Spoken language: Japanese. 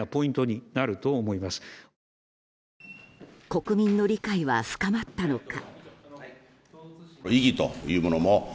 国民の理解は深まったのか。